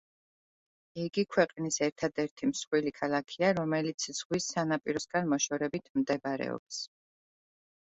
იგი ქვეყნის ერთადერთი მსხვილი ქალაქია, რომელიც ზღვის სანაპიროსგან მოშორებით მდებარეობს.